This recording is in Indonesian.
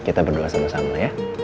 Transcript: kita berdoa sama sama ya